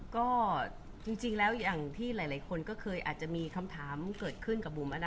ก็จริงแล้วอย่างที่หลายคนก็เคยอาจจะมีคำถามเกิดขึ้นกับบุ๋ม